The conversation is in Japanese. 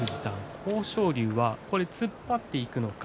豊昇龍は突っ張っていくのか。